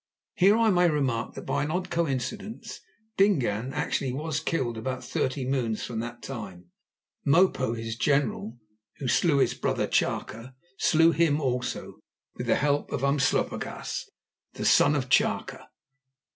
Here I may remark that by an odd coincidence Dingaan actually was killed about thirty moons from that time. Mopo, his general, who slew his brother Chaka, slew him also with the help of Umslopogaas, the son of Chaka.